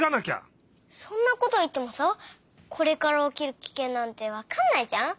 そんなこといってもさこれからおきるキケンなんてわかんないじゃん？